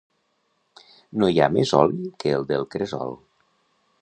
No hi ha més oli que el del cresol.